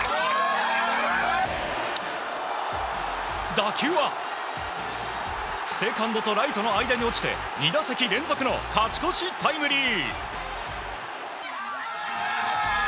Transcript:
打球はセカンドとライトの間へ落ちて２打席連続の勝ち越しタイムリー！